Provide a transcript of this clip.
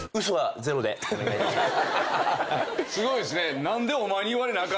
すごいですね。